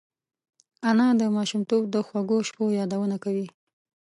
انا د ماشومتوب د خوږو شپو یادونه کوي